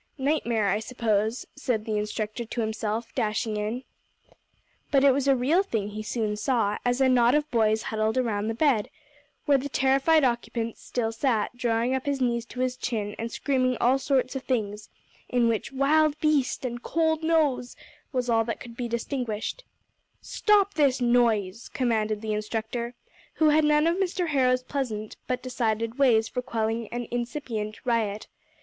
"Nightmare, I suppose," said the instructor to himself, dashing in. But it was a real thing he soon saw, as a knot of boys huddled around the bed, where the terrified occupant still sat, drawing up his knees to his chin, and screaming all sorts of things, in which "wild beast" and "cold nose" was all that could be distinguished. [Illustration: JUST THEN SOMETHING SKIMMED OUT FROM THE CORNER.] "Stop this noise!" commanded the instructor, who had none of Mr. Harrow's pleasant but decided ways for quelling an incipient riot.